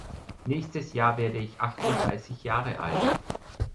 Nächstes Jahr werde ich achtunddreißig Jahre alt.